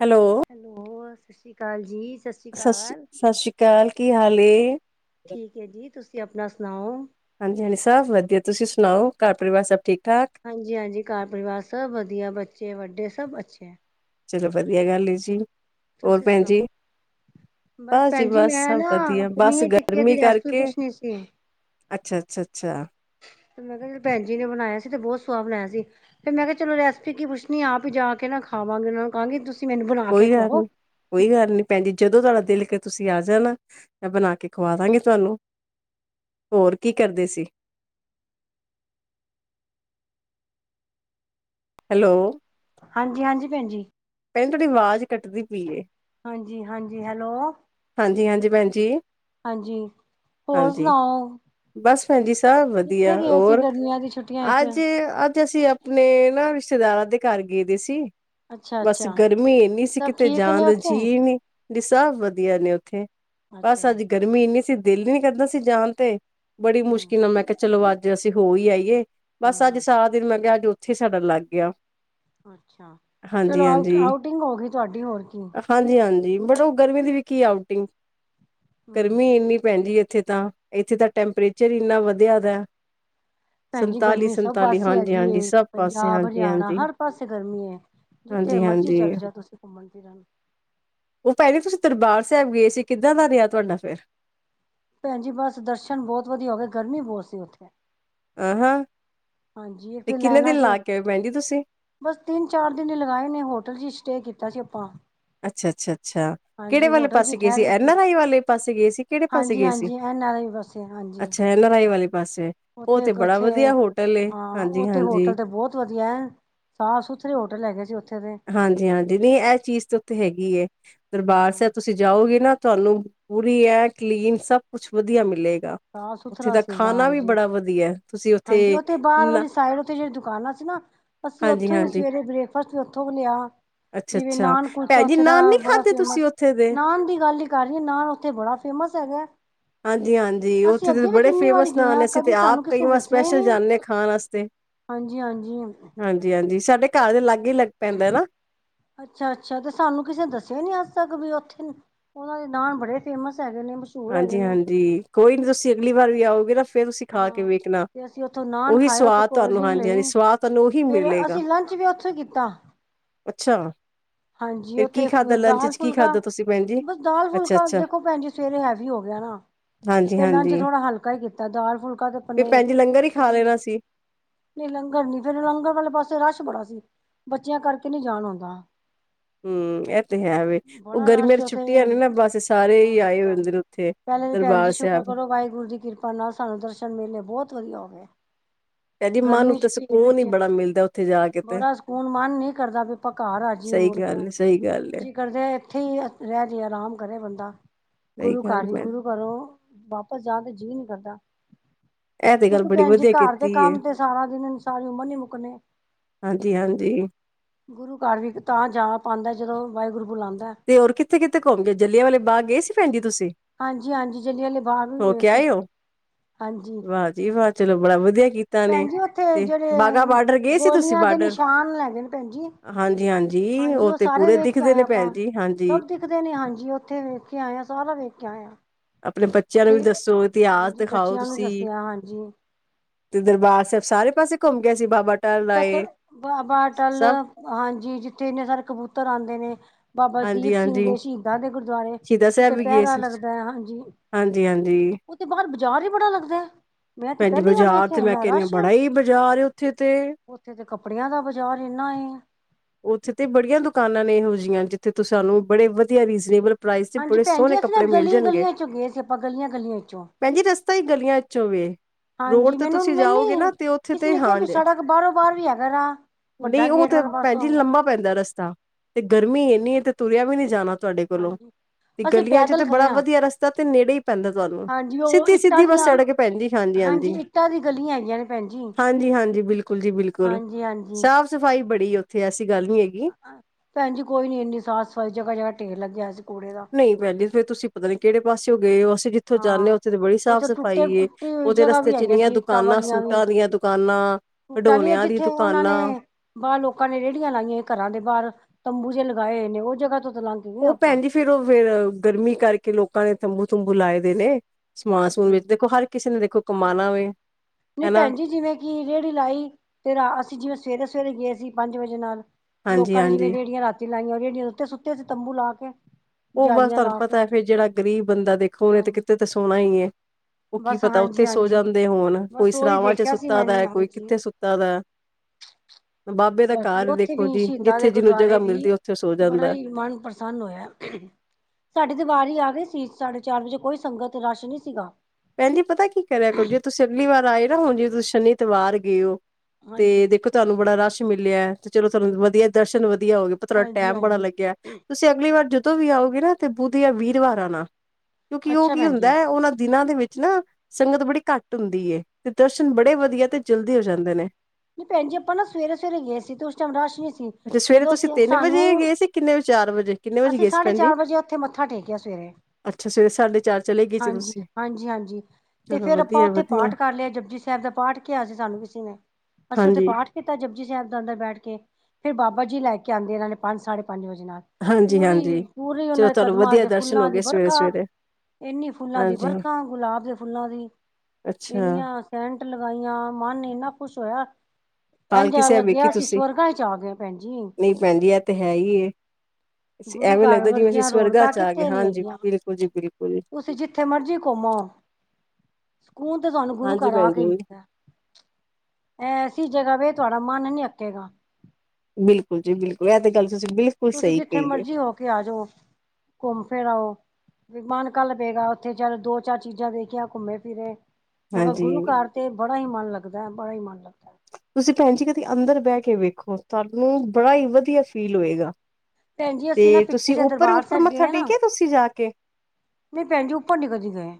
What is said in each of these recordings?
Hello. Hello ਸਤਿ ਸ਼੍ਰੀ ਅਕਾਲ ਜੀ। ਸਤਿ ਸ਼੍ਰੀ ਸਸ਼ ਅਕਾਲ ਸਤਿ ਸ਼੍ਰੀ ਅਕਾਲ, ਕੀ ਹਾਲ ਏ? ਠੀਕ ਹੈ ਜੀ, ਤੁਸੀਂ ਆਪਣਾ ਸੁਣਾਓ? ਹਾਂਜੀ-ਹਾਂਜੀ ਸਭ ਵਧੀਆ, ਤੁਸੀਂ ਸੁਣਾਓ? ਘਰ ਪਰਿਵਾਰ ਸਭ ਠੀਕ ਠਾਕ ਹਾਂਜੀ-ਹਾਂਜੀ ਘਰ ਪਰਿਵਾਰ ਸਭ ਵਧੀਆ, ਬੱਚੇ, ਵੱਡੇ ਸਭ ਅੱਛੇ ਹੈ। ਚਲੋ ਵਧੀਆ ਗੱਲ ਏ ਜੀ। ਹੋਰ ਤੁਸੀਂ ਭੈਣ ਜੀ ਸੁਣਾਓ? ਬਸ ਭੈਣ ਜੀ, ਬਸ ਮੈਂ ਸਭ ਨਾ ਵਧੀਆ ਬਸ ਪਨੀਰ ਟਿੱਕੇ ਦੀ ਰੈਸਪੀ ਪੁੱਛਣੀ ਸੀ। ਅੱਛਾ-ਅੱਛਾ-ਅੱਛਾ। ਤੇ ਮੈਂ ਕਿਹਾ ਚਲੋ ਭੈਣ ਜੀ ਨੇ ਬਣਾਇਆ ਸੀ, ਤੇ ਬਹੁਤ ਸੁਵਾਦ ਬਣਾਇਆ ਸੀ, ਤੇ ਮੈਂ ਕਿਹਾ ਚਲੋ ਰੈਸਪੀ ਕੀ ਪੁੱਛਣੀ, ਆਪ ਹੀ ਜਾ ਕੇ ਨਾ ਖਾਵਾਂਗੇ, ਉਹਨਾਂ ਨੂੰ ਕਹਾਂਗੀ ਤੁਸੀਂ ਮੈਨੂੰ ਬਣਾ ਕੇ ਕੋਈ ਗੱਲ ਖਵਾਓ ਨੀ, ਕੋਈ ਗੱਲ ਨੀ। ਭੈਣਜੀ ਜਦੋਂ ਤੁਹਾਡਾ ਦਿਲ ਕਰੇ ਤੁਸੀਂ ਆ ਜਾਣਾ, ਮੈਂ ਬਣਾ ਕੇ ਖਵਾ ਦਾਂਗੀ ਤੁਹਾਨੂੰ। ਹੋਰ ਕੀ ਕਰਦੇ ਸੀ? [inaudible] ਹੈਲੋ। ਹਾਂਜੀ-ਹਾਂਜੀ ਭੈਣ ਜੀ। ਭੈਣ ਜੀ ਤੁਹਾਡੀ ਆਵਾਜ਼ ਕੱਟਦੀ ਪਈ ਏ। ਹਾਂਜੀ-ਹਾਂਜੀ ਹੈਲੋ। ਹਾਂਜੀ-ਹਾਂਜੀ ਭੈਣਜੀ। ਹਾਂਜੀ, ਹੋਰ ਸੁਣਾਓ? ਬਸ ਭੈਣ ਜੀ ਸਭ ਕਿੱਥੇ ਵਧੀਆ, ਗਏ ਸੀ ਔਰ ਗਰਮੀਆਂ ਦੀ ਛੁੱਟੀਆਂ ਵਿੱਚ ਅੱਜ, ਅੱਜ ਅਸੀਂ ਆਪਣੇ ਨਾ ਰੀ ਰਿਸ਼ਤੇਦਾਰਾਂ ਦੇ ਘਰ ਗਏ ਦੇ ਸੀ। ਅੱਛਾ ਬਸ ਅੱਛਾ ਗਰਮੀ ਇੰਨੀ ਸੀ ਸਭ ਕਿਤੇ ਠੀਕ ਜਾਣ ਨੇ ਦਾ ਉੱਥੇ ਜੀਅ ਨੀ, ਸਭ ਵ ਗਏ ਨੇ ਉੱਥੇ, ਅੱਛਾ ਬਸ ਅੱਜ ਗਰਮੀ ਇੰਨੀ ਸੀ ਦਿਲ ਹੀ ਨੀ ਕਰਦਾਂ ਸੀ ਜਾਣ ਤੇ। ਬੜੀ ਹੂੰ ਮੁਸ਼ਕਿਲ ਨਾਲ ਮੈਂ ਕਿਹਾ ਚਲੋ ਅੱਜ ਅਸੀਂ ਹੋ ਹੀ ਆਈਏ, ਹੂੰ ਬਸ ਅੱਜ ਹੂੰ ਸਾਰਾ ਦਿਨ ਮੈਂ ਕਿਹਾ ਅੱਜ ਉੱਥੇ ਸਾਡਾ ਲੱਗ ਗਿਆ। ਅੱਛਾ, ਚਲੋ ਹਾਂਜੀ ਆਊਟ ਹਾਂਜੀ ਆਊਟਿੰਗ ਹੋ ਗਈ ਤੁਹਾਡੀ, ਹੋਰ ਕੀ। ਹਾਂਜੀ ਹਾਂਜੀ, ਬਟ ਉਹ ਗਰਮੀ ਦੀ ਵੀ ਕੀ ਆਊਟਿੰਗ, ਹੂੰ ਗਰਮੀ ਇੰਨੀ ਪੈਣਦੀ ਏ। ਇੱਥੇ ਤਾਂ, ਇੱਥੇ ਤਾਂ ਟੈਂਪਰੇਚਰ ਹੀ ਇੰਨਾ ਵਧੀਆ ਦਾ ਏ। [inaudible] ਭੈਣਜੀ ਗਰਮੀ ਸਭ ਪਾਸੇ ਹੈਗੀ ਹਾਂਜੀ ਏ, ਸਭ ਪਾਸੇ ਪੰਜਾਬ, ਹਾਂਜੀ ਹਰਿਆਣਾ ਹਾਂਜੀ ਹਰ ਪਾਸੇ ਗਰਮੀ ਹੈ। ਜਿੱਥੇ ਹਾਂਜੀ ਮਰਜ਼ੀ ਹਾਂਜੀ ਚੱਲ ਜਾਓ ਤੁਸੀਂ ਘੁੰਮਣ ਫਿਰਨ ਉਹ ਪਹਿਣ ਜੀ ਤੁਸੀਂ ਦਰਬਾਰ ਸਾਹਿਬ ਗਏ ਸੀ। ਕਿੱਦਾਂ ਦਾ ਰਿਹਾ ਤੁਹਾਡਾ ਫਿਰ। ਭੈਣ ਜੀ ਬਸ ਦਰਸ਼ਨ ਬਹੁਤ ਵਧੀਆ ਹੋ ਗਏ, ਗਰਮੀ ਬਹੁਤ ਸੀ ਉੱਥੇ। ਆ ਹਾ। ਹਾਂਜੀ ਇੱਕ ਤੇ ਲੈਣਾ ਚ ਭੈਣ ਜੀ ਤੁਸੀਂ ਬਸ ਤਿੰਨ ਚਾਰ ਦਿਨ ਹੀ ਲਗਾਏ ਨੇ, ਹੋਟਲ ਚ ਹੀ ਸਟੇ ਕੀਤਾ ਸੀ। ਆਪਾਂ ਅੱਛਾ-ਅੱਛਾ-ਅੱਛਾ, ਕਿਹੜੇ ਹਾਂਜੀ ਵਾਲੇ ਹੋਟਲ ਪਾਸੇ ਚ ਗਏ ਸੀ? ਠਹਿਰੇ ਐਨ ਆਰ ਆਈ ਵਾਲੇ ਪਾਸੇ ਗਏ ਸੀ, ਕਿਹੜੇ ਪਾਸੇ ਹਾਂਜੀ ਗਏ ਸੀ? ਹਾਂਜੀ ਐਨ ਆਰ ਆਈ ਵਾਸਤੇ, ਹਾਂਜੀ। ਅੱਛਾ ਐਨ ਆਰ ਆਈ ਵਾਲੇ ਪਾਸੇ ਉਹ ਉੱਥੇ ਤੇ ਇੱਕ ਬੜਾ ਉੱਥੇ, ਵਧੀਆ ਹੋਟਲ ਏ ਹਾਂ ਹਾਂਜੀ ਉੱਥੇ ਹੋਟਲ ਹਾਂਜੀ ਤੇ ਬਹੁਤ ਵਧੀਆ ਹੈ। ਸਾਫ ਸੁਥਰੇ ਹੋਟਲ ਹੈਗੇ ਸੀ ਉੱਥੇ ਦੇ। ਹਾਂਜੀ-ਹਾਂਜੀ, ਨਹੀਂ ਇਹ ਚੀਜ਼ ਤਾਂ ਉੱਥੇ ਹੈਗੀ ਏ। ਦਰਬਾਰ ਹਾਂ ਸਾਹਿਬ ਤੁਸੀਂ ਜਾਓਗੇ ਨਾ ਤੁਹਾਨੂੰ ਪੂਰੀ ਇਹ ਕਲੀਨ, ਸਭ ਕੁਛ ਵਧੀਆ ਮਿਲੇ ਸਾਫ ਸੁਥਰਾ ਸੀਗਾ ਹਾਂਜੀ, ਵਧੀਆ ਤੁਸੀਂ ਹਾਂਜੀ ਉੱਥੇ ਬਾਹਰ ਨਾ ਵਾਲੀ ਸਾਈਡ ਉਥੇ ਜਿਹੜੀ ਦੁਕਾਨਾਂ ਸੀ ਨਾ, ਅਸੀਂ ਹਾਂਜੀ ਉੱਥੋਂ ਹੀ ਹਾਂਜੀ ਸਵੇਰੇ ਬ੍ਰੇਕਫਾਸਟ ਵੀ ਉੱਥੋਂ ਲਿਆ। ਅੱਛਾ ਜਿਵੇਂ ਅੱਛਾ ਨਾਨ ਕੁਲਚਾ ਭੈਣ ਜੀ ਉੱਥੇ ਦਾ ਨਾਨ ਨੀ ਬੜਾ ਖਾਧੇ ਤੁਸੀਂ ਫੇਮਸ ਉੱਥੇ ਦੇ ਨਾਨ ਦੀ ਗੱਲ। ਕਰੀਏ ਨਾਨ ਉੱਥੇ ਬੜਾ ਫੇਮਸ ਹੈਗਾ। ਹਾਂਜੀ ਹਾਂਜੀ। ਜੀ ਅਸੀਂ ਉੱਥੇ ਅੱਗੇ ਵੀ ਬੜੇ ਕਿੰਨੀ ਵਾਰੀ ਫੇਮਸ ਗਏ ਨਾਨ ਹਾਂ ਅਸੀਂ ਕਦੇ ਆਪ ਸਾਨੂੰ ਕਿਸੇ ਕਈ ਨੇ ਵਾਰ ਦੱਸਿਆ ਹੀ ਸਪੈਸ਼ਲ ਨਹੀਂ ਜਾਂਦੇ ਖਾਣ ਵਾਸਤੇ। ਹਾਂਜੀ ਹਾਂਜੀ। ਹਾਂਜੀ-ਹਾਂਜੀ ਸਾਡੇ ਘਰ ਦੇ ਲਾਗੇ ਹੀ ਲੱਗ ਪੈਂਦਾ ਹਨਾ। ਅੱਛਾ ਅੱਛਾ ਤੇ ਸਾਨੂੰ ਕਿਸੇ ਨੇ ਦੱਸਿਆ ਨੀ ਅੱਜ ਤਕ ਵੀ ਉੱਥੇ ਉਹਨਾਂ ਦੇ ਨਾਨ ਬੜੇ ਫੇਮਸ। ਹੈਗੇ ਨੇ ਮਸ਼ਹੂਰ ਹੈਗੇ ਹਾਂਜੀ ਨੇ ਹਾਂਜੀ ਕੋਈ ਨੀ ਤੁਸੀਂ ਅਗਲੀ ਵਾਰ ਵੀ ਆਓਗੇ ਨਾ ਫਿਰ ਤੁਸੀਂ ਖਾ ਕੇ ਹਾਂ ਵੇਖਣਾ ਤੇ ਅਸੀਂ ਉੱਥੋਂ ਨਾਨ ਉਹੀ ਖਾਏ ਉੱਥੋਂ ਸਵਾਦ ਕੋਲਡ ਤੁਹਾਨੂੰ ਡਰਿੰਕ ਹਾਂਜੀ ਲਈ ਹਾਂਜੀ ਸਵਾਦ ਤੁਹਾਨੂੰ ਉਹੀ ਫਿਰ ਮਿਲੇਗਾ। ਅਸੀਂ ਲੰਚ ਵੀ ਉੱਥੋਂ ਕੀਤਾ। ਅੱਛਾ। ਹਾਂਜੀ ਫਿਰ ਉੱਥੇ ਕੀ ਖਾਧਾ ਲੰਚ ਦਾਲ ਚ ਕੀ ਫੁਲਕਾ ਖਾਧਾ ਤੁਸੀਂ ਭੈਣ ਜੀ? ਬਸ ਦਾਲ ਫੁਲਕਾ ਅੱਛਾ-ਅੱਛਾ ਦੇਖੋ ਭੈਣ ਜੀ। ਫੇਰ ਇਹ ਹੇਵੀ ਹੋ ਗਿਆ ਨਾ ਫਿਰ ਲਂਚ ਹਾਂਜੀ-ਹਾਂਜੀ ਥੋੜਾ ਹਲਕਾ ਹੀ ਕੀਤਾ। ਦਾਲ ਫੁਲਕਾ ਤੇ ਫਿਰ ਭੈਣ ਜੀ ਲੰਗਰ ਹੀ ਪਨੇਨੀ ਖਾ ਲੈਣਾ ਸੀ ਨਹੀਂ ਲੰਗਰ ਨੀ ਫੇਰ ਲੰਗਰ ਵਾਲੇ ਪਾਸੇ ਰਸ਼ ਬੜਾ ਸੀ। ਬੱਚਿਆਂ ਕਰਕੇ ਨਹੀਂ ਜਾਣ ਹੁੰਦਾ। ਹ ਹਮ ਇਹ ਤੇ ਹੈ ਵੇ ਉਹ ਗਰਮੀਆਂ ਚ ਉੱਥੇ ਛੁੱਟੀਆਂ ਨੇ ਨਾ ਬਸ ਸਾਰੇ ਹੀ ਆਏ ਹਾਂਜੀ ਹੋ ਜਾਂਦੇ ਹਾਂਜੀ ਨੇ ਉੱਥੇ। ਪਹਿਲੇ ਦੇ ਭੈਣ ਦਰਬਾਰ ਜੀ ਸ਼ੁਕਰ ਸਾਹਿਬ। ਕਰੋ ਵਾਹਿਗੁਰੂ ਦੀ ਕਿਰਪਾ ਨਾਲ ਸਾਨੂੰ ਦਰਸ਼ਨ ਮਿਲੇ ਬਹੁਤ ਵਧੀਆ ਹੋ ਗਏ। ਭੈਣ ਜੀ ਮਨ ਗਰਮੀ ਉੱਤੇ ਚ ਭੀੜ ਸਕੂਨ ਹੀ ਵਿੱਚ ਬੜਾ ਮਿਲਦਾ ਉੱਥੇ ਜਾ ਕੇ ਤੇ ਬੜਾ ਸਕੂਨ ਮਨ ਨੀ ਕਰਦਾ ਵੀ ਆਪਾ ਘਰ ਆ ਜਾਈਏ। ਜੀ ਸਹੀ ਮੁੜ ਕੇ ਗੱਲ ਏ, ਸਹੀ ਗੱਲ ਏ, ਜੀ ਕਰਦੇ ਇੱਥੇ ਹੀ ਰਹਿ ਜ ਆਰਾਮ ਕਰੇ ਬੰਦਾ। ਸਹੀ ਗੁਰੂ ਗੱਲ ਘਰ ਮੈਂ ਗੁਰੂ ਘਰੋਂ ਵਾਪਸ ਜਾਣ ਤੇ ਜੀਅ ਨੀ ਕਰਦਾ। ਇਹ ਤੇ ਗੱਲ ਕਿਉਂਕਿ ਬੜੀ ਭੈਣ ਜੀ ਵਧੀਆ ਘਰ ਦੇ ਕੀਤੀ ਏ। ਕੰਮ ਤੇ ਸਾਰਾ ਦਿਨ ਇਨੁਸਾਰੀ ਉਮਰ ਨੀ ਮੁੱਣੇ। ਹਾਂਜੀ-ਹਾਂਜੀ ਗੁਰੂ ਘਰ ਵੀ ਤਾਂ ਜਾ ਪਾਉਂਦਾ ਜਦੋਂ ਵਾਹਿਗੁਰੂ। ਬੁਲਾਉਂਦਾ ਤੇ ਹੋਰ ਕਿੱਥੇ ਕਿੱਥੇ ਘੁੰਮ ਗਏ ਜੱਲਿਆਂ ਵਾਲੇ ਬਾਗ ਗਏ ਸੀ ਭੈਣ ਜੀ। ਤੁਸੀਂ ਹਾਂਜੀ ਹਾਂਜੀ ਜਲਿਆਂਵਾਲੇ ਬਾਗ ਵੀ ਹੋ ਗਏ ਕੇ ਸੀ ਆਏ ਓ ਹਾਂਜੀ ਵਾਹ ਜੀ ਵਾਹ ਚਲੋ। ਬੜਾ ਵਧੀਆ। ਗੀਤਾ ਨੇ ਭੈਣ ਜੀ ਉੱਥੇ ਤੇ ਜਿਹੜੇ ਬਾਗਾ ਬਾਰਡਰ ਗਏ ਸੀ ਤੁਸੀਂ ਗੋਲੀਆਂ ਦੇ ਬਾਰਡਰ ਨਿਸ਼ਾਨ ਹੈਗੇ ਨੇ ਭੈਣ ਜੀ ਹਾਂਜੀ ਹਾਂਜੀ। ਜੀ ਉਹ ਤੇ ਸਾਰੇ ਪੂਰੇ ਵੇਖ ਕੇ ਦਿਖਦੇ ਆਏ ਨੇ ਭੈਣ ਆਪਾਂ ਜੀ। ਹਾਂਜੀ। ਸਭ ਦਿਖਦੇ ਨੇ ਹਾਂਜੀ ਉੱਥੇ ਵੇਖ ਕੇ ਆਇਆ ਸਾਰਾ ਵੇਖ ਕੇ ਆਇਆ। ਆਪਣੇ ਬੱਚਿਆਂ ਨੂੰ ਵੀ ਦੱਸੋ ਇਤਿਹਾਸ ਦਿਖਾਓ ਬੱਚਿਆਂ ਨੂੰ ਤੁਸੀਂ ਦੱਸਿਆ ਹਾਂਜੀ ਤੇ ਦਰਬਾਰ ਸਾਹਿਬ ਸਾਰੇ ਪਾਸੇ ਘੁੰਮ ਗਏ ਸੀ ਬਾਬਾ ਟਾਲ ਥ ਆਏ। ਬ ਬਾਟਲ ਸਭ ਹਾਂਜੀ ਜਿੱਥੇ ਇੰਨੇ ਸਾਰੇ ਕਬੂਤਰ ਆਉਂਦੇ ਨੇ ਬਾਬਾ ਦੀਪ ਸਿੰਘ ਹਾਂਜੀ-ਹਾਂਜੀ ਦੇ ਸ਼ਹੀਦਾਂ ਦੇ ਗੁਰੂ ਦੁ ਸ਼ਹੀਦਾ ਸਾਹਿਬ ਜਿੱਥੇ ਵੀ ਗਏ ਪਹਿਰਾ ਸੀ ਲੱਗਦਾ ਹਾਂਜੀ ਹਾਂਜੀ-ਹਾਂਜੀ। ਉਹ ਤੇ ਬਾਹਰ ਬਜਾਰ ਹੀ ਬੜਾ ਲੱਗਦਾ। ਮੈਂ ਤੇ ਭੈਣਜੀ ਪਹਿਲੀ ਵਾਰ ਬਾਜ਼ਾਰ ਵੇਖਿਆ ਤੇ ਮੈਂ ਇੰਨਾ ਕਹਿੰਦੀ ਹਾਂ ਰਸ਼। ਬੜਾ ਹੀ ਬਾਜ਼ਾਰ ਉੱਥੇ ਤੇ ਉੱਥੇ ਤੇ ਕੱਪੜਿਆਂ ਦਾ ਬਾਜ਼ਾਰ ਏਨਾ ਏ। ਉੱਥੇ ਤੇ ਬੜੀਆਂ ਦੁਕਾਨਾਂ ਨੇ ਇਹੋ ਜਿੱਥੇ ਤੁੰ ਸਾਨੂੰ ਬੜੇ ਵਧੀਆ ਰੀਜ਼ਨੇਬਲ ਪ੍ਰਾਈਸ ਤੇ ਹਾਂਜੀ, ਬੜੇ ਭੈਣ ਸੋਹਣੇ ਜੀ ਅਸੀਂ ਨਾ ਕੱਪੜੇ ਮਿਲ ਗਲੀਆਂ-ਗਲੀਆਂ ਚੋਂ ਗਏ ਸੀ ਆਪਾਂ ਗਲੀਆਂ-ਗਲੀਆਂ ਚੋਂ। ਭੈਦੀ ਰਸਤਾ ਹੀ ਗਲੀਆਂ ਚੋਂ ਵਵੇ। ਹਾਂਜੀ ਮੈਨੂੰ ਮੈਨੇ ਕਿਸੀ ਤੇ ਨੇ ਕਿਹਾ ਹਾਂ ਵੀ ਸੜਕ ਬਾਹਰੋਂ ਬਾਹਰ ਵੀ ਹੈਗਾ ਰਾਹ। ਵੱਡਾ ਗੇਟ ਵਾਲੇ ਪਾਸ ਹ ਜੀ ਲੰਬਾ ਪੈਂਦਾ ਰਸਤਾ ਤੇ ਗਰਮੀ ਇੰਨੀ ਤੇ ਤੁਰਿਆ ਵੀ ਨਹੀ ਜਾਣਾ ਤੁਹਾਡੇ ਕੋਲੋਂ। ਹਾਂਜੀ ਤੇ ਅਸੀਂ ਗਲੀਆਂ ਚ ਪੈਦਲ ਤੇ ਗਏ ਬੜਾ ਹਾਂ ਵਧੀਆ ਰਸਤਾ ਤੇ ਨੇੜੇ ਹੀ ਪੈਂਦਾ ਤੁਹਾਨੂੰ ਹਾਂਜੀ ਉਹ ਸਿੱਧੀ ਇੱਟਾਂ ਸਿੱਧੀ ਬੱਸ ਦੀਆਂ ਸੜਕ ਪੈਦੀ ਹਾਂਜੀ। ਇੱਟਾਂ ਦੀ ਗਲੀਆਂ ਹੈਗੀਆਂ ਨੇ ਭੈਣ ਜੀ ਹਾਂਜੀ ਹਾਂਜੀ ਬਿਲਕੁਲ ਜੀ ਬਿਲਕੁਲ ਹਾਂਜੀ ਹਾਂਜੀ ਸਾਫ਼ ਸਫ਼ਾਈ ਬੜੀ ਉੱਥੇ ਅਸੀਂ ਭੈਣ ਜੀ ਕੋਈ ਨੀ ਇੰਨੀ ਸਾਫ਼ ਸਫ਼ਾਈ ਜਗ੍ਹਾ ਜਗ੍ਹਾ ਢੇਰ ਲੱਗਿਆ ਸੀ। ਕੂੜੇ ਦਾ ਨਹੀਂ ਪੈਣ ਦੀ ਫੇਰ ਤੁਸੀਂ ਪਤਾ ਨੀ ਕਿਹੜੇ ਪਾਸੇਓ ਗਏ ਹੋ ਸੀਂ ਜਿੱਥੋਂ ਜਾਂਦੇ ਹੋ ਹਾਂ ਉੱਥੇ ਤੇ ਬੜੀ ਸਾਫ਼ ਉੱਥੇ ਸਫ਼ਾਈ ਟੁੱਟੇ ਏ ਟੁੱਟੀ ਹੋਈ ਉਥਦੇ ਜਗ੍ਹਾ ਰਸਤੇ ਵੀ ਚ ਹੈਗੀਆਂ ਇੰਨੀਆਂ ਸੀ ਦੁਕਾਨਾਂ ਸੂਟਾਂ ਦੀਆਂ ਦੁਕਾਨਾਂ। ਟ ਲਈਏ ਖਿਡੌਣਿਆਂ ਦੀ ਜਿੱਥੇ ਉਹਨਾਂ ਨੇ ਦੁਕਾਨਾਂ ਬਾਹਰ ਲੋਕਾਂ ਨੇ ਰੇਹੜੀਆਂ ਲਾਈਆਂ ਘਰਾਂ ਦੇ ਬਾਹਰ ਤੰਬੂ ਜੇ ਲਗਾਏ ਹੋਏ ਨੇ ਉਹ ਜਗ੍ਹਾ ਤੋਂ। ਤਾਂ ਲੰਘ ਗਏ ਉਹ ਆਪਾਂ ਭੈਣ ਜੀ ਫੇਰ ਉਹ ਫੇਰ ਗਰਮੀ ਕਰਕੇ ਲੋਕਾਂ ਨੇ ਤੰਬੂ-ਤੁੰਬੂ ਲਾਏ ਦੇ ਨੇ ਸਮਾਨ ਸਮੂਨ ਵਿੱਚ ਹਾਂਜੀ ਦੇਖੋ ਹਰ ਕਿਸੇ ਨੇ ਦੇਖੋ ਕਮਾਉਣਾ ਹਾਂ ਵੇ। ਨਹੀਂ ਹਨਾ ਭੈਣ ਜੀ ਜਿਵੇਂ ਕਿ ਰੇਹੜੀ ਲਾਈ ਤੇ ਅਸੀਂ ਜਿਵੇਂ ਸਵੇਰੇ ਸਵੇਰੇ ਗਏ ਸੀ ਪੰਜ ਵਜੇ ਨਾਲ ਹਾਂਜੀ ਲੋਕਾਂ ਨੇ ਜਿਵੇਂ ਹਾਂਜੀ। ਜੇਹੜੀਆਂ ਰਾਤੀ ਆਂੜੀਆਂ ਉੱਤੇ ਸੁੱਤੇ ਸੀ ਤੰਬੂ ਲਾ ਕੇ ਉਹ ਬਸ ਜਾਲੀਆਂ ਤੁਹਾਨੂੰ ਲਾ ਕੇ ਪਤਾ ਫੇਰ ਜਿਹੜਾ ਗ਼ਰੀਬ ਬੰਦਾ ਦੇਖੋ ਉਹਨੇ ਤੇ ਹਾਂਜੀ ਕਿਤੇ ਤਾਂ ਸੋਣਾ ਹੀ ਐ। ਬਸ ਹਾਂਜੀ-ਹਾਂਜੀ ਹੋਣ ਕੋਈ ਬਸ ਉਹੀ ਸਰਾਵਾਂ ਚ ਦੇਖਿਆ ਸੀ ਸੁੱਤਾ ਮੈਂ ਦਾ ਹੈ, ਕੋਈ ਹਾਂਜੀ। ਕਿੱਥੇ ਸੁੱਤਾ ਦਾ। ਹੈ। ਬਾਬੇ ਦਾ ਬਾਕੀ ਘਰ ਉੱਥੇ ਵੀ ਦੇਖੋ ਜੀ ਸ਼ਹੀਦਾਂ ਦੇ ਜਿੱਥੇ ਜਿਹਨੂੰ ਗੁਰਦੁਆਰੇ ਜਗ੍ਹਾ ਵੀ ਮਿਲਦੀ ਉੱਥੇ ਸੋ ਬੜਾ ਜਾਂਦਾ। ਹੀ ਮਨ ਪ੍ਰਸੰਨ ਹੋਇਆ। ਸਾਡੇ ਦੀ ਬਾਰ ਹੀ ਆ ਗਏ ਸੀ ਸਾਢੇ ਚਾਰ ਵਜੇ ਕੋਈ ਸੰਗਤ ਰਸ਼ ਨਹੀਂ ਸੀਗਾ। ਭੈਣ ਜੀ ਪਤਾ ਕੀ ਕਰਿਆ ਕਰੋ ਜੇ ਤੁਸੀਂ ਅਗਲੀ ਵਾਰ ਆਏ ਨਾ ਹੁਣ ਜੇ ਤੁਸੀਂ ਸ਼ਨੀ ਐਤਵਾਰ ਗਏ ਹੋ ਤੇ ਹਾਂਜੀ ਦੇਖੋ ਤੁਹਾਨੂੰ ਬੜਾ ਰਸ਼ ਮਿਲਿਆ ਤੇ ਚਲੋ ਤੁਹਾਨੂੰ ਵਧੀਆ ਦਰਸ਼ਨ ਵਧੀਆ ਵਧੀਆ ਆਓਗੇ ਤੁੋਡਾ ਹਾਂਜੀ ਟਾਈਮ ਬੜਾ ਹਾਂਜੀ ਲੱਗਿਆ ਤੁਸੀਂ ਅਗਲੀ ਵਾਰ ਜਦੋਂ ਵੀ ਆਓਗੇ ਨਾ ਤੇ ਬੁਧ ਜਾ ਵੀਰਵਾਰ ਆ ਨਾ। ਕਿਉਂਕਿ ਉਹ ਅੱਛਾ ਕੀ ਭੈਣ ਜੀ ਹੁੰਦਾ ਹੈ ਉਹਨਾਂ ਦਿਨਾਂ ਦੇ ਵਿੱਚ ਨਾ ਸੰਗਤ ਬੜੀ ਘੱਟ ਹੁੰਦੀ। ਤੇ ਦਰਸ਼ਨ ਬੜੇ ਅੱਛਾ ਵਧੀਆ ਤੇ ਜਲਦੀ ਹੋ ਅੱਛਾ ਜਾਂਦੇ ਅੱਛਾ ਨੇ। ਭੈਣ ਜੀ ਆਪਾਂ ਨਾ ਸਵੇਰੇ-ਸਵੇਰੇ ਗਏ ਸੀ ਤੇ ਉਸ ਟਾਈਮ ਰਸ਼ ਨਹੀਂ ਸੀ ਅੱਛਾ ਸਵੇਰੇ ਜਦੋਂ ਤੁਸੀਂ ਅਸੀ ਤਿੰਨ ਸਾਨੂੰ ਵਜੇ ਗਏ ਸੀ ਕਿੰਨੇ ਚਾਰ ਵਜੇ ਕਿੰਨੇ ਵਜੇ ਅਸੀਂ ਗਏ ਸੀ ਸਾਢੇ ਭੈਣ ਜੀ ਚਾਰ ਵਜੇ ਉੱਥੇ ਮੱਥਾ ਟੇਕਿਆ ਸਵੇਰੇ। ਅੱਛਾ, ਸਵੇਰੇ ਸਾਢੇ ਚਾਰ ਚਲੇ ਗਏ ਸੀ ਤੁਸੀਂ। ਜੀ ਹਾਂਜੀ ਤੇ ਚਲੋ ਫੇਰ ਆਪਾਂ ਵਧੀਆ ਉੱਥੇ ਵਧੀਆ ਪਾਠ ਕਰ ਲਿਆ ਜਪੁਜੀ ਸਾਹਿਬ ਦਾ ਪਾਠ ਕਿਹਾ ਸੀ ਸਾਨੂੰ ਕਿਸੇ ਨੇ ਅਸੀਂ ਉੱਥੇ ਹਾਂਜੀ ਪਾਠ ਕੀਤਾ ਜਪਜੀ ਸਾਹਿਬ ਦਾ ਅੰਦਰ ਬੈਠ ਕੇ ਫੇਰ ਬਾਬਾ ਜੀ ਲੈ ਕੇ ਆਂਦੇ ਇਹਨਾਂ ਨੇ ਪੰਜ ਸਾਡੇ ਪੰਜ ਵਜੇ ਨਾਲ ਹਾਂਜੀ ਹਾਂਜੀ ਪੂਰੀ-ਪੂਰੀ ਉਹਨਾਂ ਚਲੋ ਦੇ ਤੁਹਾਨੂੰ ਕਦਮਾਂ ਵਧੀਆ ਚ ਦਰਸ਼ਨ ਹੋ ਫੁੱਲਾਂ ਦੀ ਗਏ ਸਵੇਰੇ ਵਰਖਾ ਸਵੇਰੇ ਇੰਨੀ ਫੁੱਲਾਂ ਦੀ ਹਾਂਜੀ ਵਰਖਾ ਗੁਲਾਬ ਦੇ ਫੁੱਲਾਂ ਦੀ ਅੱਛਾ ਇੰਨੀਆਂ ਸਹਿਣ ਪੈਂਟ ਲਗਾਈਆਂ ਮਨ ਇਨਾ ਖੁਸ਼ ਹੋਇਆ। ਇਝ ਪਾਲਕੀ ਸਾਹਿਬ ਲੱਗਿਆ ਵੇਖੀ ਅਸੀਂ ਤੁਸੀਂ ਸਵਰਗਾ ਚ ਆ ਗਏ ਭੈਣ ਜੀ। ਨਹੀਂ ਭੈਣ ਜੀ ਇਹ ਤੇ ਹੈ ਹੀ ਏ ਗੁਰੂ ਐਵੇਂ ਘਰ ਲੱਗਦਾ ਜਿਵੇਂ ਅਸੀਂ ਵਰਗੀਆਂ ਸਵਰਗਾਂ ਰੌਣਕਾਂ ਚ ਆ ਗਏ ਕਿੱਥੇ ਨੀ ਹਾਂਜੀ ਹੈਗੀਆਂ ਬਿਲਕੁਲ ਜੀ ਬਿਲਕੁਲ ਤੁਸੀਂ ਜਿੱਥੇ ਮਰਜੀ ਘੁੰਮੋ ਖੂਹ ਤੇ ਸਾਨੂੰ ਗੁਰੂ ਹਾਂਜੀ ਘਰ ਆ ਭੈਣ ਕੇ ਜੀ ਮਿਲਦਾ ਐਸੀ ਜਗ੍ਹਾ ਵੇਖ ਤੁਹਾਡਾ ਮਨ ਨੀ ਅੱਕੇਗਾ। ਬਿਲਕੁਲ ਜੀ ਬਿਲਕੁਲ ਇਹ ਤੇ ਗੱਲ ਤੁਸੀਂ ਬਿਲਕੁਲ ਤੁਸੀਂ ਸਹੀ ਜਿੱਥੇ ਕਹੀ ਏ ਮਰਜ਼ੀ ਹੋ ਕੇ ਆ ਜਾਓ ਘੁੰਮ ਫਿਰ ਆਓ। ਵਿਗਮਾਨ ਕੱਲ ਕਹੇਂਗਾ ਉੱਥੇ ਚੱਲ ਦੋ ਚਾਰ ਚੀਜ਼ਾਂ ਦੇਖਿਆ ਘੁੰਮੇ ਫਿਰੇ। ਮਗਰ ਹਾਂਜੀ ਗੁਰੂ ਘਰ ਤੇ ਬੜਾ ਹੀ ਮਨ ਲੱਗਦਾ ਹੈ, ਬੜਾ ਹੀ ਮਨ ਲੱਗਦਾ ਹੈ। ਤੁਸੀਂ ਭੈਣ ਜੀ ਕਦੀ ਅੰਦਰ ਬਹਿ ਕੇ ਵੇਖੋ ਤੁਹਾਨੂੰ ਬੜਾ ਹੀ ਵਧੀਆ ਫੀਲ ਹੋਏਗਾ। ਭੈਣ ਜੀ ਤੇ ਅਸੀਂ ਨਾ ਪਿੱਛੇ ਤੁਸੀਂ ਜੇ ਉੱਪਰ ਦਰਬਾਰ ਉੱਪਰ ਸਾਹਿਬ ਮੱਥਾ ਗਏ ਨਾ ਟੇਕਿਆ ਤੁਸੀਂ ਜਾ ਕੇ? ਨਹੀਂ ਭੈਣ ਜੀ ਉੱਪਰ ਨਹੀਂ ਕਦੀ ਗਏ।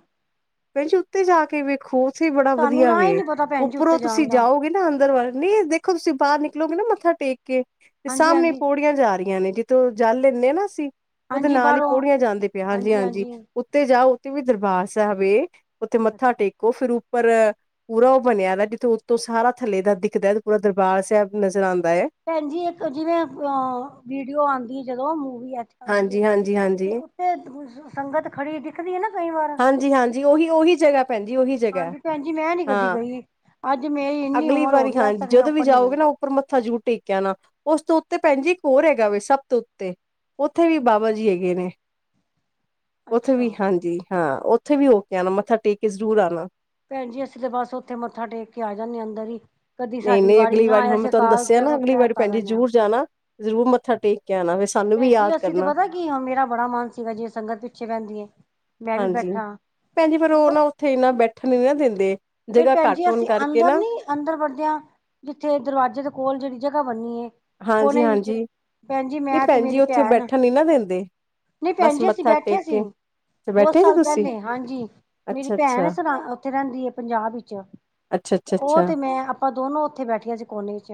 ਭੈਣ ਜੀ ਉੱਤੇ ਜਾ ਕੇ ਵੇਖੋ ਉੱਥੇ ਬੜਾ ਸਾਨੂੰ ਵਧੀਆ ਰਾਹ ਹੀ ਵੇ। ਨੀ ਪਤਾ ਭੈਣ ਜੀ ਉੱਤੇ ਉੱਪਰੋਂ ਤੁਸੀਂ ਜਾਣ ਦਾ ਜਾਓਗੇ ਨਾ ਅੰਦਰ ਵੱਲ ਨਹੀਂ ਇਹ ਦੇਖੋ ਤੁਸੀਂ ਬਾਹਰ ਨਿਕ ਨਿਕਲੋਗੇ ਨਾ ਮੱਥਾ ਟੇਕ ਕੇ ਤੇ ਹਾਂਜੀ ਸਾਹਮਣੇ ਹਾਂਜੀ ਪੌੜੀਆਂ ਜਾ ਰਹੀਆਂ ਨੇ ਜਿੱਥੋਂ ਜਲ ਲੈਣੇ ਨਾ ਅਸੀਂ। ਉਹਦੇ ਹਾਂਜੀ ਨਾਲ ਹੀ ਬਾਹਰੋਂ ਪੌੜੀਆਂ ਜਾਂਦੇ ਪਿਆ ਹਾਂਜੀ ਹਾਂਜੀ-ਹਾਂਜੀ ਹਾਂਜੀ ਉੱਤੇ ਜਾਉ ਉੱਤੇ ਵੀ ਦਰਬਾਰ ਸਾਹਿਬ ਹੈ। ਉੱਥੇ ਮੱਥਾ ਅੱਛਾ ਟੇਕੋ ਫਿਰ। ਉੱਪਰ ਪੂਰਾ ਉਹ ਬਣਿਆ ਦਾ ਜਿੱਥੇ ਉੱਤੋਂ ਸਾਰਾ ਥੱਲੇ ਦਾ ਦਿਖਦਾ ਤੇ ਪੂਰਾ ਦਰਬਾਰ ਸਾਹਿਬ ਨਜ਼ਰ ਆਦਾ। ਭੈਣ ਜੀ ਇੱਕ ਜਿਵੇਂ ਉੱਪਰੋ ਵੀਡੀਓ ਆਦੀ ਜਦੋਂ ਮੂਵੀ। ਹਾਂਜੀ ਹਾਂਜੀ-ਹਾਂਜੀ-ਹਾਂਜੀ, ਤੇ ਉੱਤੇ ਸੰਗਤ ਖੜੀ ਦਿਖਦੀ ਹੈ ਨਾ ਕਈ ਵਾਰ। ਹਾਂਜੀ-ਹਾਂਜੀ ਉਹੀ ਉਹੀ ਜਗ੍ਹਾ ਭੈਣ ਜੀ ਉਹੀ ਜਗ੍ਹਾ ਹਾਂਜੀ ਭੈਣ ਜੀ ਮੈਂ ਨੀ ਕਦੀ ਹਾਂ। ਗਈ ਅੱਜ ਮੇਰੀ ਇੰਨੀ ਅਗਲੀ ਉਮਰ ਹੋ ਵਾਰੀ ਗਈ ਅੱਜ ਹਾਂਜੀ ਤੱਕ ਮੈਂ ਜਦੋਂ ਵੀ ਉੱਪਰ ਨੀ ਗਈ ਜਾਓਗੇ ਨਾ ਉੱਪਰ ਮੱਥਾ। ਮੱਥਾ ਜ਼ਰੂਰ ਟੇਕ ਕੇ ਆਣਾ ਉਸ ਤੋਂ ਉੱਤੇ ਭੈਣਜੀ ਇੱਕ ਹੋਰ ਹੈਗਾ ਵਾ ਸਭ ਤੋਂ ਉੱਤੇ। ਉੱਥੇ ਵੀ ਬਾਬਾ ਜੀ ਹੈਗੇ ਨੇ ਉੱਥੇ ਵੀ ਅੱਛਾ ਹਾਂਜੀ ਹਾਂ ਉੱਥੇ ਵੀ। ਆਣਾ ਮੱਥਾ ਟੇਕ ਕੇ ਜ਼ਰੂਰ ਆਉਣਾ। ਭੈਣ ਜੀ ਅਸੀਂ ਤੇ ਬਸ ਉੱਥੇ ਮੱਥਾ ਟੇਕ ਕੇ ਆ ਜਾਂਦੇ ਹਾਂ ਅੰਦਰ ਹੀ। ਕਦੀ ਸਾਡੀ ਨਹੀਂ-ਨਹੀਂ ਅਗਲੀ ਨਾ ਵਾਰੀ ਆਇਆ ਹੁਣ ਮੈਂ ਅਸੀਂ ਤੁਹਾਨੂੰ ਅਕਾਲ ਦੱਸਿਆ ਨਾ ਤਖ਼ਤ ਅਗਲੀ ਸਾਹਿਬ ਵਾਰੀ ਭੈਣ ਕਰ ਜੀ ਆਨੇ ਆ ਜ਼ਰੂਰ ਜਾਣਾ ਜ਼ਰੂਰ ਮੱਥਾ ਟੇਕ ਕੇ ਆਣਾ। ਸਾਨੂੰ ਵੀ ਭੈਣਜੀ ਯਾਦ ਅਸੀਂ ਤੇ ਕਰਨਾ ਪਤਾ ਕੀ ਹੁਣ ਮੇਰਾ ਬੜਾ ਮਨ ਸੀਗਾ ਜਿਵੇ ਸੰਗਤ ਪਿੱਛੇ ਰਹਿੰਦੀ ਏ। ਮੈਂ ਵੀ ਹਾਂਜੀ ਬੈਠਾ ਭੈਣਜੀ ਫੇਰ ਉਹ ਮਗਰ ਨਾ ਉੱਥੇ ਇੰਨਾ ਬੈਠਣ ਨੀ ਨਾ ਦਿੰਦੇ। ਫਿਰ ਜਗ੍ਹਾ ਭੈਣ ਜੀ ਘੱਟ ਹੋਣ ਅਸੀਂ ਕਰਕੇ ਅੰਦਰ ਨਾ ਨੀ ਅੰਦਰ ਵੜਦਿਆਂ। ਜਿੱਥੇ ਦਰਵਾਜ਼ੇ ਦੇ ਕੋਲ ਜਿਹੜੀ ਜਗ੍ਹਾ ਬਣੀ ਏ। ਹਾਂਜੀ ਕੋਨੇ ਵਿੱਚ ਹਾਂਜੀ ਭੈਣ ਜੀ ਨਹੀਂ ਮੈਂ ਤੇ ਜੀ ਮੇਰੀ ਉੱਥੇ ਭੈਣ ਬੈਠਣ ਨੀ ਨਾ ਦਿੰਦੇ ਨਹੀਂ ਭੈਣ ਬਸ ਜੀ ਅਸੀਂ ਮੱਥਾ ਬੈਠੇ ਟੇਕ ਸੀ। ਕੇ ਅੱਛਾ ਬਹੁਤ ਬੈਠੇ ਸੀ ਸਾਲ ਤੁਸੀਂ ਪਹਿਲੇ ਹਾਂਜੀ ਮੇਰੀ ਅੱਛਾ ਭੈਣ ਅੱਛਾ ਉੱਥੇ ਰਹਿੰਦੀ ਹੈ ਪੰਜਾਬ। ਪੰਜਾਬ ਵਿੱਚ ਅੱਛਾ ਅੱਛਾ ਉਹ ਅੱਛਾ ਤੇ ਮੈਂ ਆਪਾਂ ਦੋਨੋ ਉੱਥੇ ਬੈਠੀਆਂ ਸੀ ਕੋਨੇ ਵਿਚ।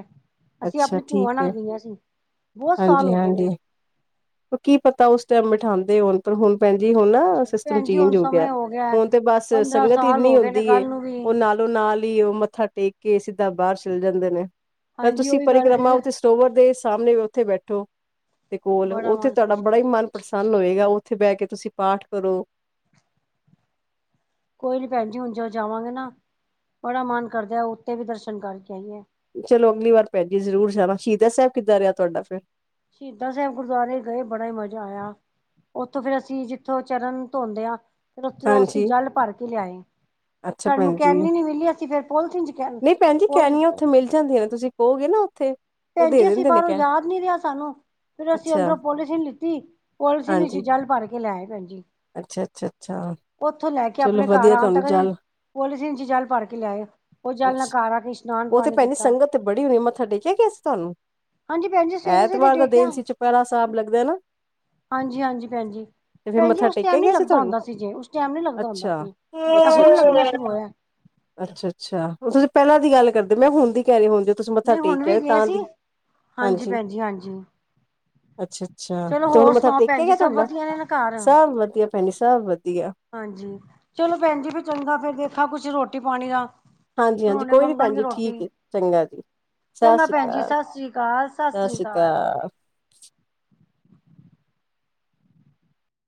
ਅਸੀਂ ਅੱਛਾ ਆਪਣੀ ਠੀਕ ਭੂਆਂ ਹੈ ਨਾਲ ਗਈਆਂ ਸੀ, ਬਹੁਤ ਸਾਲ ਹਾਂਜੀ ਹੋ ਗਏ ਹਾਂਜੀ ਨੇ। ਕੀ ਪਤਾ ਉਸ ਟਾਈਮ ਬਿਠਾਂਦੇ ਹੋਣ ਪਰ ਹੁਣ ਭੈਣ ਜੀ ਹੁਣ ਨਾ ਅੱਛਾ ਸਿਸਟਮ ਭੈਣ ਜੀ ਹੁਣ ਚੇਂਜ ਹੋ ਗਿਆ ਹੈ। ਸਮੇਂ ਹੁਣ ਤੇ ਬਸ ਪੰਦਰਾਂ ਸੰਗਤ ਸਾਲ ਇੰਨੀ ਹੋ ਗਏ ਨੇ ਹੁੰਦੀ ਹੈ, ਗੱਲ ਨੂੰ ਵੀ ਉਹ ਨਾਲੋਂ ਨਾਲ ਹੀ ਉਹ ਮੱਥਾ ਟੇਕ ਕੇ ਸਿੱ ਸਿੱਧਾ ਬਾਹਰ ਚਲ ਜਾਂਦੇ ਨੇ, ਪਰ ਹਾਂਜੀ ਤੁਸੀਂ ਉਹੀ ਗੱਲ ਪਰਿਕਰਮਾ ਕਰੀਏ ਉੱਥੇ ਸਰੋਵਰ ਦੇ ਸਾਹਮਣੇ ਉੱਥੇ ਬੈਠੋ। ਤੇ ਕੋਲ ਬੜਾ ਉੱਥੇ ਮਨ ਤੁਹਾਡਾ ਖੁਸ਼ ਬੜਾ ਹੀ ਹੁੰਦਾ ਮਨ ਪ੍ਰਸੰਨ ਹੋਏਗਾ। ਉੱਥੇ ਬਹਿ ਕੇ ਤੁਸੀਂ ਪਾਠ ਕਰੋ। ਕੋਈ ਨੀ ਭੈਣ ਜੀ ਹੁਣ ਜਦ ਜਾਵਾਂਗੇ ਨਾ ਬੜਾ ਮਨ ਕਰਦੇ ਆ ਉੱਤੇ ਵੀ ਦਰਸ਼ਨ ਕਰਕੇ ਆਈਏ। ਚਲੋ ਅਗਲੀ ਵਾਰ ਭੈਣ ਜੀ ਜ਼ਰੂਰ ਜਾਣਾ, ਸ਼ਹੀਦ ਸਾਹਿਬ ਕਿੱਦਾਂ ਰਿਹਾ ਤੁਹਾਡਾ ਫਿਰ। ਸ਼ਹੀਦਾਂ ਸਾਹਿਬ ਗੁਰਦੁਆਰੇ ਗਏ ਬੜਾ ਹੀ ਮਜ਼ਾ ਆਇਆ। ਉੱਥੋਂ ਫੇਰ ਅਸੀਂ ਜਿੱਥੋਂ ਚਰਨ ਧੋਂਦੇ ਹਾਂ, ਫਿਰ ਉੱਥੋਂ ਅਸੀਂ ਹਾਂਜੀ ਜਲ ਭਰ ਕੇ ਲਿਆਏ ਹਾਂ। ਅੱਛਾ ਸਾਨੂੰ ਭੈਣ ਜੀ ਕੈਨੀ ਨੀ ਮਿਲੀ ਅਸੀਂ ਫਿਰ ਪੋਲੀਥੀਨ ਚ ਕੈਨੀ ਨਹੀਂ ਭੈਣ ਜੀ ਪੋਲੀ ਕੈਨੀਆਂ ਉੱਥੇ ਮਿਲ ਜਾਂਦੀਆਂ ਨੇ ਤੁਸੀਂ ਕਹੋਗੇ ਨਾ ਉੱਥੇ ਉਹ ਭੈਣ ਦੇ ਜੀ ਅਸੀਂ ਦਿੰਦੇ ਨੇ ਬਾਹਰੋਂ ਕਹਿ ਯਾਦ ਨੀ ਰਿਹਾ ਸਾਨੂੰ। ਫੇਰ ਅਸੀਂ ਅੱਛਾ ਅੰਦਰੋਂ ਪੋਲੀਥੀਨ ਲਿੱਤੀ ਪੋਲੀਥੀਨ ਵਿਚ ਹਾਂਜੀ, ਜਲ ਭਰ ਕੇ ਲੈ ਆਏ ਭੈਣ ਜੀ। ਅੱਛਾ-ਅੱਛਾ-ਅੱਛਾ ਉੱਥੋਂ ਲੈ ਕੇ ਚਲੋ ਆਪਣੇ ਘਰ ਵਧੀਆ ਆਉਣ ਤੁਹਾਨੂੰ ਤੱਕ ਅਸੀਂ ਜਲ ਪੋਲੀਥੀਨ ਚ ਜਲ ਭਰ ਕੇ ਲਿਆਏ, ਉਹ ਜਲ ਨਾਲ ਅੱਛਾ ਘਰ ਆਕੇ ਇਸ਼ਨਾਨ ਉਹ ਤੇ ਪਾਣੀ ਭੈਣਜੀ ਕੀਤਾ। ਸੰਗਤ ਤੇ ਬੜੀ ਹੋਣੀ ਮੱਥਾ ਟੇਕਿਆ ਗਿਆ ਸੀ ਤੁਹਾਨੂੰ? ਹਾਂਜੀ ਭੈਣ ਜੀ ਸਵੇਰੇ -ਸਵੇਰੇ ਐਤਵਾਰ ਦਾ ਟੇਕਿਆ। ਦਿਨ ਸੀ ਚੁਪਹਿਰਾ ਸਾਹਿਬ ਲੱਗਦਾ ਨਾ ਹਾਂਜੀ- ਹਾਂਜੀ ਭੈਣਜੀ। ਤੇ ਫਿਰ ਭੈਣ ਜੀ ਮੱਥਾ ਉਸ ਟਾਈਮ ਟੇਕਿਆ ਨੀ ਗਿਆ ਸੀ ਲੱਗਦਾ ਤੁਹਾਨੂੰ? ਹੁੰਦਾ ਸੀ ਜੇ ਉਸ ਟਾਈਮ ਨੀ ਲੱਗਦਾ ਹੁੰਦਾ ਅੱਛਾ, ਸੀ ਹੁਣ ਲੱਗਣਾ ਸ਼ੁਰੂ ਹੋਇਆ। ਅੱਛਾ- ਅੱਛਾ ਹੁਣ ਤੁਸੀਂ ਪਹਿਲਾਂ ਦੀ ਗੱਲ ਕਰਦੇ ਮੈਂ ਹੁਣ ਦੀ ਕਹਿ ਰਹੀ ਹਾਂ ਹੁਣ ਦੀ ਤੁਸੀਂ ਮੱਥਾ ਨਹੀਂ ਹੁਣ ਟੇਕ ਵੀ ਆਇਓ ਗਏ ਤਾਂ ਸੀ ਦੀ ਹਾਂਜੀ, ਭੈਣ ਜੀ ਹਾਂਜੀ। ਅੱਛਾ। ਅੱਛਾ ਚਲੋ ਤੇ ਹੁਣ ਹੋਰ ਮੱਥਾ ਸੁਣਾਓ ਭੈਣ ਟੇਕਿਆ ਜੀ ਗਿਆ ਸਭ ਤੁਹਾਡਾ, ਵਧੀਆ ਨੇ ਨਾ ਘਰ ਸਭ ਵਧੀਆ ਭੈਣ ਜੀ ਸਭ ਵਧੀਆ। ਹਾਂਜੀ ਚਲੋ ਭੈਣ ਜੀ ਫਿਰ ਚੰਗਾ ਫੇਰ ਦੇਖਾ ਕੁਛ ਰੋਟੀ ਪਾਣੀ ਦਾ। ਹਾਂਜੀ- ਹੁਣ ਹਾਂਜੀ ਹੁਣੇ ਕੋਈ ਨੀ ਭੈਣ ਮੰਗਣਗੇ ਜੀ ਠੀਕ ਰੋਟੀ ਏ, ਚੰਗਾ ਜੀ। ਸਤਿ ਚੰਗਾ ਸ਼੍ਰੀ ਭੈਣ ਜੀ ਅਕਾਲ, ਸਸ ਰੀ ਕਾਲ-ਸਸ ਸਤਿ ਰੀ ਸ਼੍ਰੀ ਕਾਲ। ਅਕਾਲ।